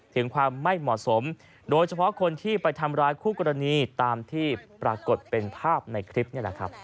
ถึงความไม่เหมาะสมโดยเฉพาะคนที่ไปทำร้ายคู่กรณีตามที่ปรากฏเป็นภาพในคลิปนี่แหละครับ